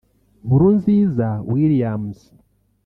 Nkurunziza Williams